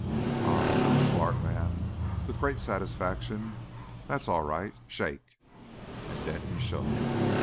"Ah!" said the swart man, with great satisfaction. "That's aw right. Shake!" And Denton shook.